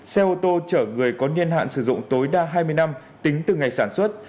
xe ô tô chở người có niên hạn sử dụng tối đa hai mươi năm tính từ ngày sản xuất